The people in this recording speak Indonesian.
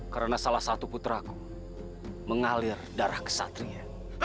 karena salah satu puteraku mengalir darah kesatria